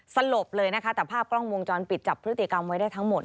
สลบเลยนะคะแต่ภาพกล้องวงจรปิดจับพฤติกรรมไว้ได้ทั้งหมด